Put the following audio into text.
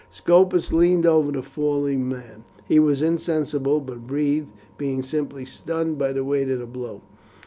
Scopus leaned over the fallen man. He was insensible but breathed, being simply stunned by the weight of the blow.